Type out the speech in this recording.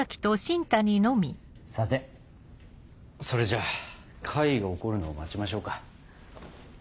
さてそれじゃあ怪異が起こるのを待ちましょうか。